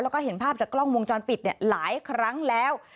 แล้วก็เห็นภาพจากกล้องวงจรปิดหลายครั้งแล้ว